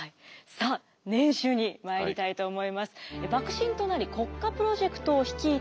さあ年収にまいりたいと思います。